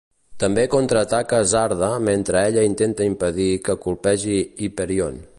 També contraataca Zarda mentre ella intenta impedir que colpegi Hyperion.